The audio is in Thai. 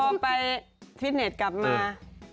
พอไปฟิตเน็ตกลับมา